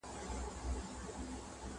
ته له چا څخه په تېښته وارخطا یې؛